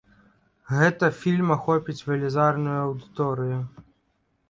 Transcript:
Гэта фільм ахопіць велізарную аўдыторыю.